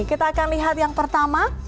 kita akan lihat yang pertama